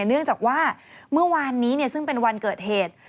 เนื่องจากว่าเมื่อวานนี้ซึ่งเป็นวันเกิดเหตุ